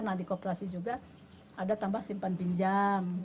nah di kooperasi juga ada tambah simpan pinjam